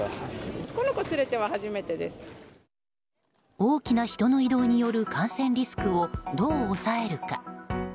大きな人の移動による感染リスクをどう抑えるか。